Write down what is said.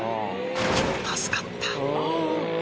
［助かった］